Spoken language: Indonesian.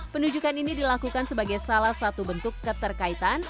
penunjukan ini dilakukan sebagai salah satu bentuk keterkaitan